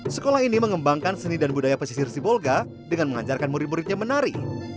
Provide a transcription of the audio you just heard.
sekolah ini mengembangkan seni dan budaya pesisir sibolga dengan mengajarkan murid muridnya menari